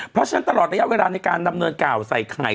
เพราะฉะนั้นตลอดระยะเวลาในการดำเนินข่าวใส่ไข่